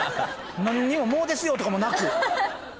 何にも「もうですよ」とかもなく。